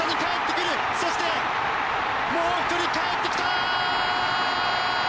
そして、もう１人かえってきた！